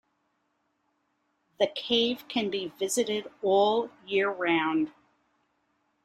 The cave can be visited all year round.